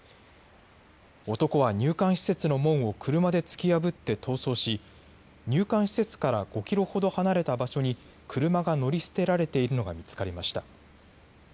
男は入管施設の門を車で突き破って逃走し入管施設から５キロほど離れた場所に車が乗り捨てられているのが見つかりました。